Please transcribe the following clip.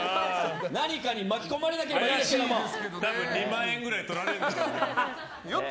何かに巻き込まれなければ多分、２万円くらいとられるだろうね。